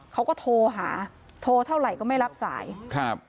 เขาก็โทรหาโทรเท่าไหร่ก็ไม่รับสายครับ